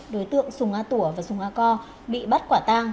đối tượng sùng a tủa và sùng a co bị bắt quả tang